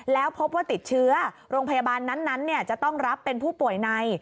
แล้วพบว่าติดเชื้อโรงพยาบาลนั้นจะต้องรับเป็นผู้ป่วยใน